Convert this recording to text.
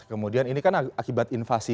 kemudian ini kan akibat invasi